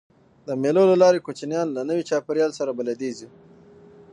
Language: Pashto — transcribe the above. د مېلو له لاري کوچنيان له نوي چاپېریال سره بلديږي.